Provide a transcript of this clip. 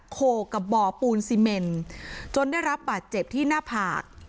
โขกกับบ่อปูนซีเมนจนได้รับบาดเจ็บที่หน้าผาก